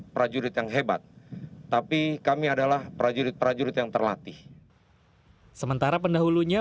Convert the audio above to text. prajurit yang hebat tapi kami adalah prajurit prajurit yang terlatih sementara pendahulunya